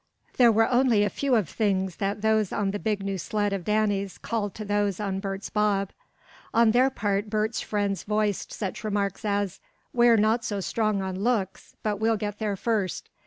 There were only a few of things that those on the big new sled of Danny's, called to those on Bert's bob. On their part Bert's friends voiced such remarks as: "We're not so strong on looks, but we'll get there first!"